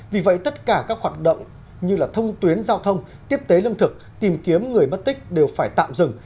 vì vậy tất cả các hoạt động như thông tuyến giao thông tiếp tế lương thực tìm kiếm người mất tích đều phải tạm dừng